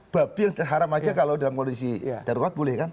babil haram aja kalau dalam kondisi darurat boleh kan